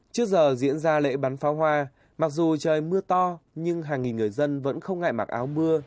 trước giờ diễn ra lễ bắn pháo hoa mặc dù trời mưa to nhưng hàng nghìn người dân vẫn không ngại mặc áo mưa